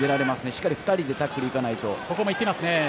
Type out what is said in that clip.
しっかり２人でタックルいかないと。